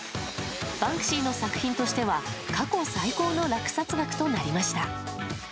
バンクシーの作品としては過去最高の落札額となりました。